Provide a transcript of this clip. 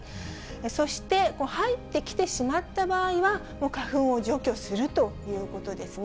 そして、入ってきてしまった場合は、もう花粉を除去するということですね。